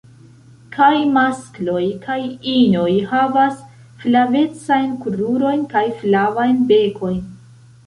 Kaj maskloj kaj inoj havas flavecajn krurojn kaj flavajn bekojn.